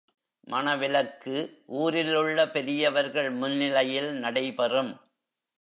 மணவிலக்கு ஊரிலுள்ள பெரியவர்கள் முன்னிலையில் நடைபெறும்.